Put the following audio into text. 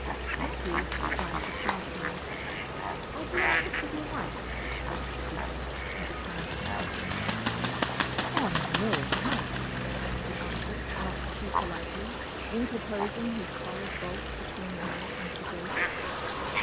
Miss Ruth tried to pass him. "I'll go and sit with your wife," she said, with the kindest intention. "On no account!" he answered, not too politely, interposing his solid bulk between her and the gate.